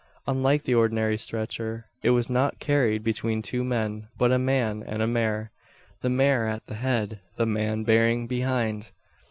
Unlike the ordinary stretcher, it was not carried between two men; but a man and a mare the mare at the head, the man bearing behind.